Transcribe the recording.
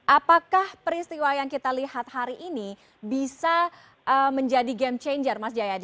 apakah peristiwa yang kita lihat hari ini bisa menjadi game changer mas jayadi